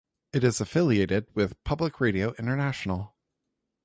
It is affiliated with Public Radio International.